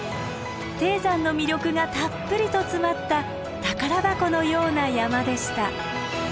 低山の魅力がたっぷりと詰まった宝箱のような山でした。